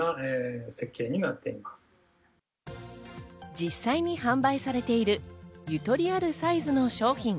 実際に販売されているゆとりあるサイズの商品。